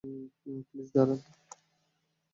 Please, দাঁড়ান।